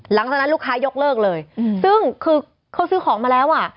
หลังจากนั้นลูกค้ายกเลิกเลยซึ่งคือเขาซื้อของมาแล้วอ่ะ